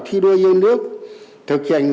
thi đua dân nước thực hành